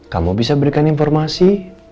kamu bisa berikan informasi